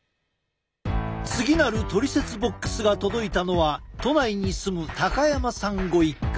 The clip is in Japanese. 次なるトリセツボックスが届いたのは都内に住む高山さんご一家。